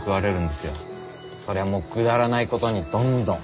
そりゃもうくだらないことにどんどん。